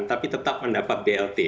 tapi tetap mendapat blt